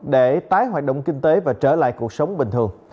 để tái hoạt động kinh tế và trở lại cuộc sống bình thường